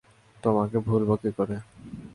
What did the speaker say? তোমাকে ভুলব কী করে?